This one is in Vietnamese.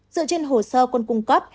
dựa trên hồ sơ quân cung cấp